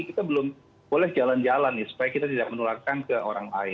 kita belum boleh jalan jalan nih supaya kita tidak menularkan ke orang lain